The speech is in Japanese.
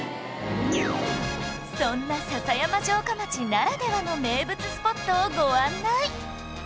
そんな篠山城下町ならではの名物スポットをご案内